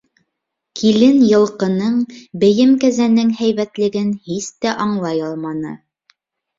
Килен -йылҡының, бейем кәзәнең һәйбәтлеген һис тә аңлай алманы.